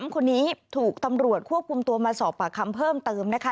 ๓คนนี้ถูกตำรวจควบคุมตัวมาสอบปากคำเพิ่มเติมนะคะ